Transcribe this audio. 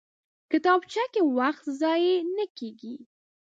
کتابچه کې وخت ضایع نه کېږي